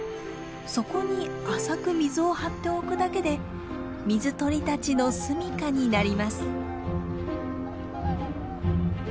そこに浅く水を張っておくだけで水鳥たちの住みかになります。